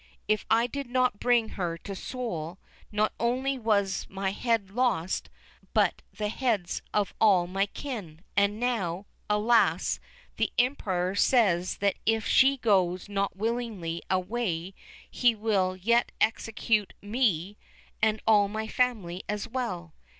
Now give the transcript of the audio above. If I did not bring her to Seoul, not only was my head lost, but the heads of all my kin; and now, alas, the Emperor says that if she goes not willingly away he will yet execute me, and all my family as well.